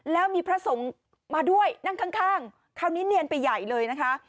แล้วมีพระสงฆ์มาด้วยนั่งข้างคราวนี้เนียนไปใหญ่เลยนะคะ